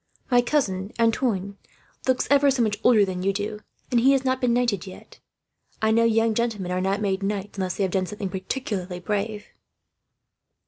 My cousin Antoine looks ever so much older than you do, and he has not been knighted yet. I know young gentlemen are not made knights, unless they have done something particularly brave."